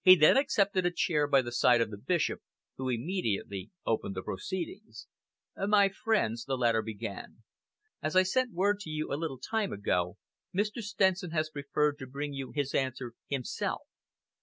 He then accepted a chair by the side of the Bishop, who immediately opened the proceedings. "My friends," the latter began, "as I sent word to you a little time ago, Mr. Stenson has preferred to bring you his answer himself.